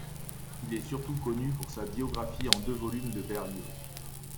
Il est surtout connu pour sa biographie en deux volumes de Berlioz.